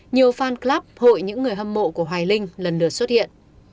nhiều fan club hội những người hâm mộ của hoài linh lần lượt xuất hiện